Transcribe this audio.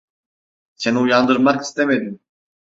Seni uyandırmak istemedim.